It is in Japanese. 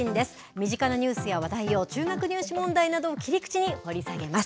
身近なニュースや話題を中学入試問題などを切り口に掘り下げます。